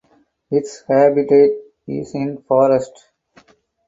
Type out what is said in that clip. Its habitat is in forests.